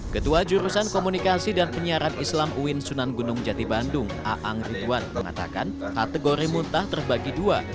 ketua jurusan komunikasi dan penyiaran islam uin sunan gunung jati bandung aang ridwan mengatakan kategori muntah terbagi dua